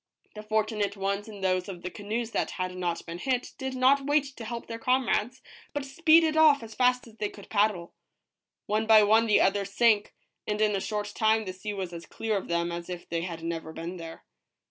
The fortu nate ones in those of the canoes that had not been hit did not wait to help their comrades, but speeded off as fast as they could paddle. One by one the others sank, and in a short time the sea was as clear of them as if they had never been there.